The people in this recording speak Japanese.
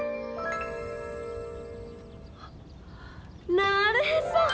あなるへそ！